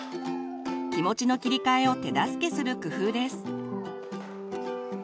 気持ちの切り替えを手助けする工夫です。